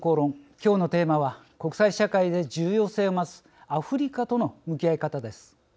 今日のテーマは国際社会で重要性を増すアフリカとの向き合い方です。